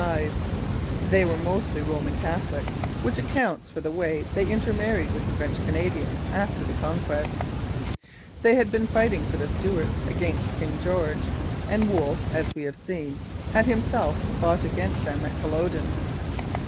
They were mostly Roman Catholics, which accounts for the way they intermarried with the French Canadians after the conquest. They had been fighting for the Stuarts against King George, and Wolfe, as we have seen, had himself fought against them at Culloden.